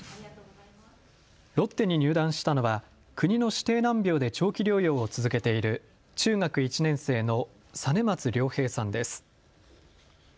ロッテに入団したのは国の指定難病で長期療養を続けている中学１年生の實松亮平さんです。